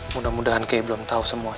mudah mudahan kay belum tau semuanya